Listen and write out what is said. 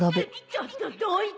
ちょっとどいて！